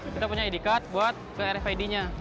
kita punya id card buat rfid nya